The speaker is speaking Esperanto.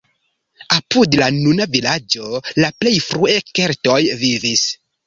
Apud la nuna vilaĝo la plej frue keltoj vivis.